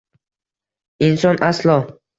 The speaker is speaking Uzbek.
Inson aslo